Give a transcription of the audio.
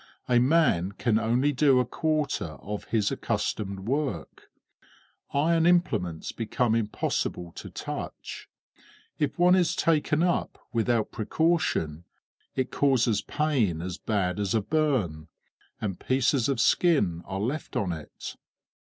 A man can only do a quarter of his accustomed work; iron implements become impossible to touch; if one is taken up without precaution, it causes a pain as bad as a burn, and pieces of skin are left on it.